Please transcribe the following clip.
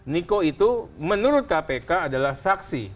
niko itu menurut kpk adalah saksi